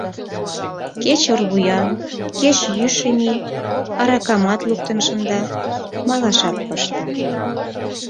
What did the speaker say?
Кеч орвуян, кеч йӱшӧ мий — аракамат луктын шында, малашат пышта.